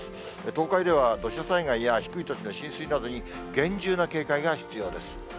東海では土砂災害や低い土地の浸水などに厳重な警戒が必要です。